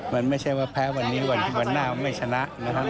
มันไม่ใช่ว่าแพ้วันนี้วันที่วันหน้าไม่ชนะนะครับ